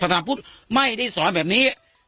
สถานพุทธไม่ได้สอนแบบนี้